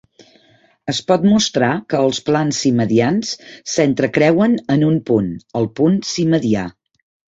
Es pot mostrar que els plans simedians s'entrecreuen en un punt, el punt simedià.